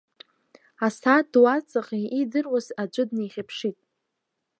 Асааҭ ду аҵаҟа иидыруаз аӡәы днаихьыԥшит.